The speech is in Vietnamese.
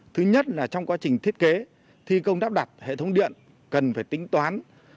thứ nhất là trong quá trình thiết kế thi công đắp đặt hệ thống điện cần phải tính toán